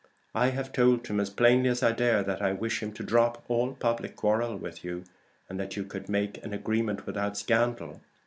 I have told him as plainly as I dare that I wish him to drop all public quarrel with you, and that you could make an arrangement without scandal.